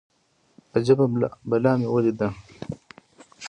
اجبه بلا مې وليده.